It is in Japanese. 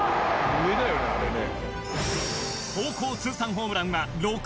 上だよねあれね。